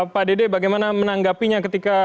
pak dede bagaimana menanggapinya ketika